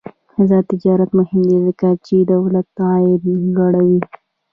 آزاد تجارت مهم دی ځکه چې دولت عاید لوړوي.